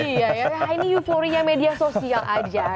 iya ini euforinya media sosial aja